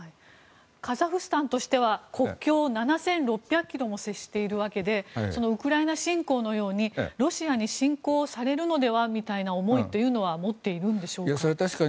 カザフスタンとしては国境を７６００ｋｍも接しているわけでウクライナ侵攻のようにロシアに侵攻されるのではみたいな思いというのは持っているんでしょうか？